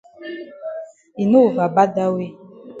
E no over bad dat way.